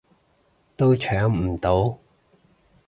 都搶唔到